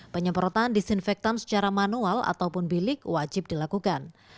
penyemprotan disinfektan secara manual ataupun bilik wajib dilakukan